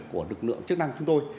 của lực lượng chức năng chúng tôi